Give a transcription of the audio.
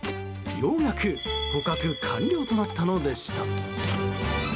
ようやく捕獲完了となったのでした。